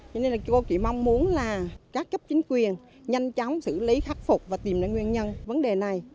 cho nên là cô chỉ mong muốn là các chấp chính quyền nhanh chóng xử lý khắc phục và tìm ra nguyên nhân vấn đề này